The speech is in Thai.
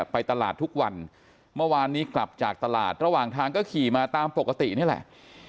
ไปตลาดทุกวันเมื่อวานนี้กลับจากตลาดระหว่างทางก็ขี่มาตามปกตินี่แหละ